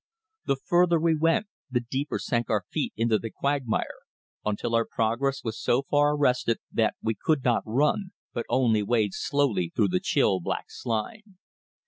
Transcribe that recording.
The further we went the deeper sank our feet into the quagmire, until our progress was so far arrested that we could not run, but only wade slowly through the chill black slime.